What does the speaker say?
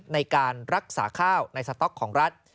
ในการรักษาข้าวในสต๊อกของรัฐ